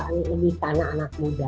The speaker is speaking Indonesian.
untuk lebih tanah anak muda